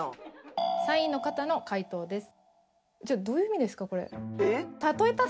３位の方の回答です。